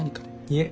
いえ。